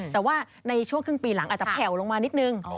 แต่ว่าในช่วงครึ่งปีหลังอาจจะแผ่วลงมานิดนึง